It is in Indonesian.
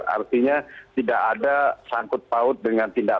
artinya tidak ada sangkut paut dengan tindakan